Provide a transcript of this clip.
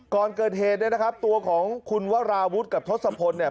ก่อนเกิดเหตุเนี่ยนะครับตัวของคุณวราวุฒิกับทศพลเนี่ย